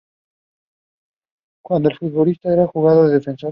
Cuando era futbolista jugaba de defensor.